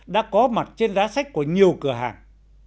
đã có mặt trên giá sách của nhiều cửa hàng